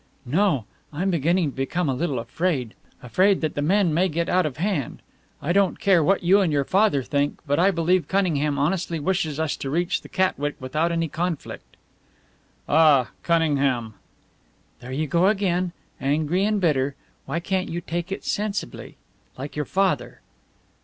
"No, I'm beginning to become a little afraid afraid that the men may get out of hand. I don't care what you and your father think, but I believe Cunningham honestly wishes us to reach the Catwick without any conflict." "Ah, Cunningham!" "There you go again angry and bitter! Why can't you take it sensibly, like your father?"